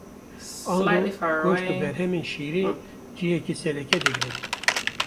Ango goşt û berhemên şîrê cihekê sereke digirin.